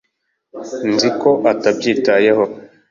nzi ko utabyitayeho